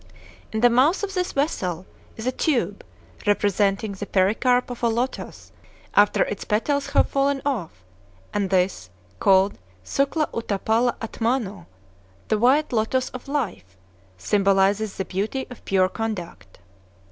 In the mouth of this vessel is a tube representing the pericarp of a lotos after its petals have fallen off; and this, called Sukla Utapala Atmano, "the White Lotos of Life," symbolizes the beauty of pure conduct.